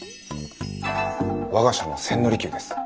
我が社の千利休です。